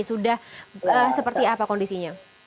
sudah seperti apa kondisinya